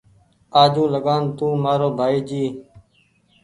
آجوٚنٚ لگآن تونٚ مآرو ڀآئي جي